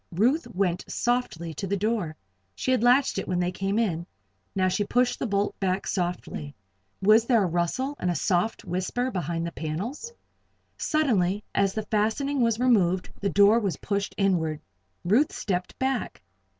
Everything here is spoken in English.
Ruth went softly to the door. She had latched it when they came in. Now she pushed the bolt back softly. Was there a rustle and a soft whisper behind the panels? Suddenly, as the fastening was removed, the door was pushed inward. Ruth stepped back.